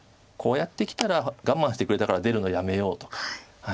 こうやってきたら我慢してくれたから出るのやめようとか。